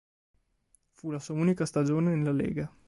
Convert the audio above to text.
Fu la sua unica stagione nella lega.